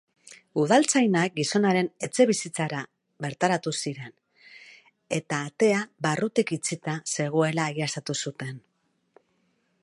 Udaltzainak gizonaren etxebizitzara bertaratu ziren, eta atea barrutik itxita zegoela egiaztatu zuten.